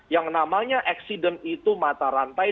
yang namanya accident itu mata rantai